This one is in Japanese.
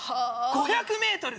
５００ｍ。